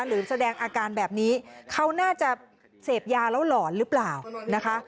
หรือแสดงอาการแบบนี้เขาน่าจะเสพยาแล้วหลอนหรือเปล่านะคะ